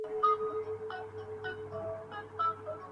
admin صاحب great ہو یار میری نظروں میں آپ ایک مسیحا کی طرح ہوں